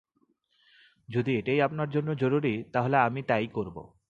যদি এটাই আপনার জন্য জরুরি তাহলে আমি তাই করব।